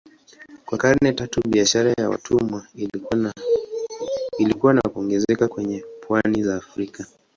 Kwa karne tatu biashara ya watumwa ilikua na kuongezeka kwenye pwani za Afrika.